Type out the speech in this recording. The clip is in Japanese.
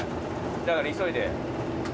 だから急いで。